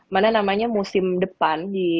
mana namanya musim depan